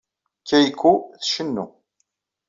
Keiko tcennu.